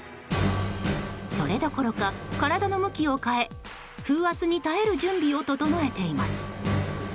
それどころか体の向きを変え風圧に耐える準備を整えています。